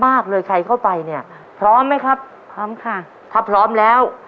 ใครเข้าไปเนี่ยพร้อมไหมครับพร้อมค่ะถ้าพร้อมแล้ว